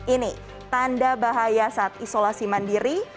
ini tanda bahaya saat isolasi mandiri